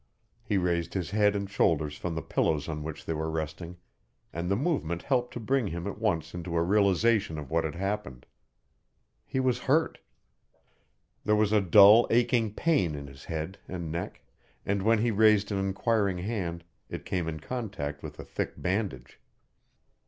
He raised his head and shoulders from the pillows on which they were resting and the movement helped to bring him at once into a realization of what had happened. He was hurt. There was a dull, aching pain in his head and neck and when he raised an inquiring hand it came in contact with a thick bandage.